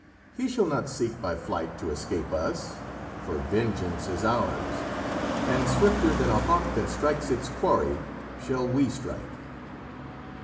He shall not seek by flight to escape us, for vengeance is ours, and swifter than a hawk that strikes its quarry shall we strike.